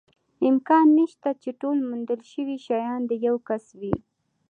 امکان نشته، چې ټول موندل شوي شیان د یوه کس وي.